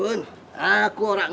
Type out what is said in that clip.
terima kasih pak joko